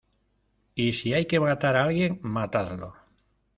¡ y si hay que matar a alguien, matadlo!